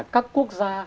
các quốc gia